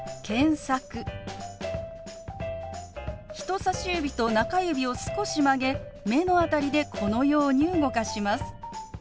人さし指と中指を少し曲げ目の辺りでこのように動かします。